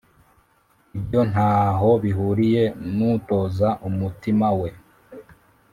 ibyo nta ho bihuriye n’utoza umutima we